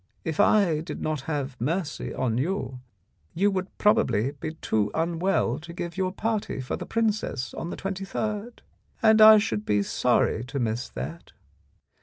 If I did not have mercy on you, you would probably be too unwell to give your party for the princess on the 23rd, and I should be sorry to miss that.